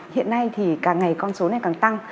hiện nay thì càng ngày con số này càng tăng